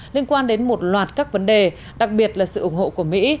liên quan đến một loạt các vấn đề đặc biệt là sự ủng hộ của mỹ